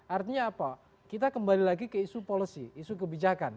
artinya apa kita kembali lagi ke isu policy isu kebijakan